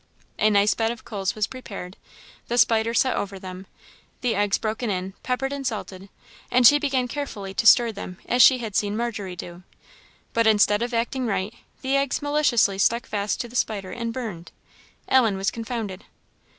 A nice bed of coals was prepared; the spider set over them; the eggs broken in, peppered and salted; and she began carefully to stir them as she had seen Margery do. But instead of acting right, the eggs maliciously stuck fast to the spider and burned. Ellen was confounded.